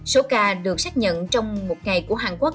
số ca được xác nhận trong một ngày của hàn quốc